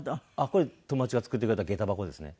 これ友達が作ってくれた下駄箱ですね。